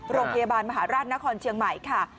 โรงพยาบาลมหาราชนครเชียงใหม่ค่ะ